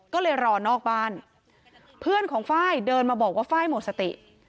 ก็เลยรอนอกบ้านเพื่อนของไฟล์เดินมาบอกว่าไฟล์หมดสติ